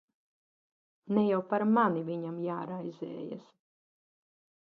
Ne jau par mani viņam jāraizējas.